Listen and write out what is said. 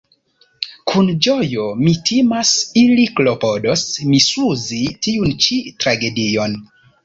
Kun ĝojo – mi timas – ili klopodos misuzi tiun ĉi tragedion.